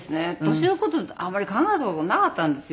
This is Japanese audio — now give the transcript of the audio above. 年の事ってあんまり考えた事なかったんですよ。